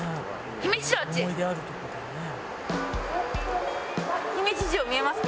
姫路城見えますか？